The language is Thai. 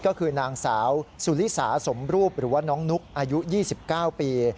ก็คือนางสาวสุริสาสมรูปหรือว่าน้องนุ๊กอายุ๒๙ปี